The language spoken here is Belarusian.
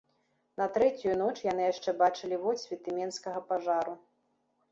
На трэцюю ноч яны яшчэ бачылі водсветы менскага пажару.